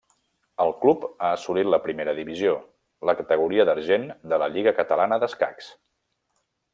El club ha assolit la primera divisió, la categoria d'argent de la Lliga Catalana d'Escacs.